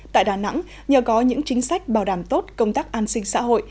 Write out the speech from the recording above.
tại đà nẵng nhờ có những chính sách bảo đảm tốt công tác an sinh xã hội chăm lo đời sống cho người lao động